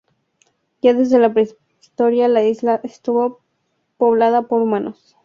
Ya desde la prehistoria la isla estuvo poblada por humanos.